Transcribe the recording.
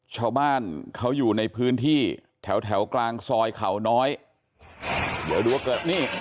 ชาวบ้านเขาอยู่ในพื้นที่แถวแถวกลางซอยเขาน้อยเดี๋ยวดูว่าเกิดนี่